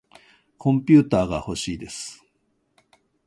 コンピューターがほしいです。